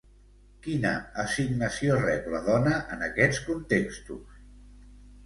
Quina assignació rep la dona en aquests contextos?